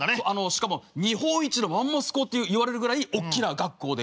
しかも日本一のマンモス校っていわれるぐらいおっきな学校で。